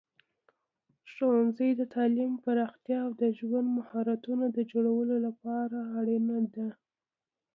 ښوونځي د تعلیم پراختیا او د ژوند مهارتونو د جوړولو لپاره اړین دي.